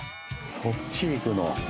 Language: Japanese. そっち行くの。